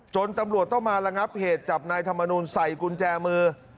ตำรวจต้องมาระงับเหตุจับนายธรรมนูลใส่กุญแจมือ